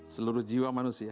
seluruh jiwa manusia